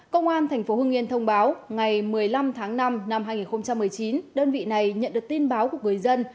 công an tp hưng yên thông báo ngày một mươi năm tháng năm năm hai nghìn một mươi chín đơn vị này nhận được tin báo của người dân